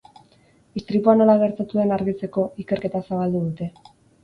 Istripua nola gertatu den argitzeko, ikerketa zabaldu dute.